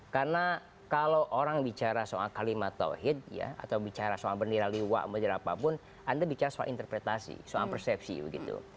karena kalau orang bicara soal kalimat tauhid atau bicara soal bendera liwa bendera apapun anda bicara soal interpretasi soal persepsi begitu